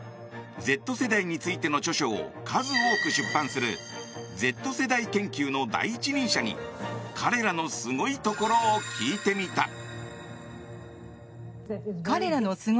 Ｚ世代についての著書を数多く出版するＺ世代研究の第一人者に彼らのすごいところを聞いてみた。